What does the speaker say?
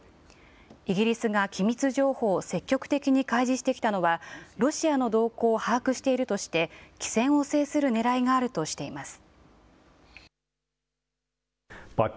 イギリスが機密情報を積極的に開示してきたのはロシアの動向を把握しているとして機先を制するねらいがあるとしています。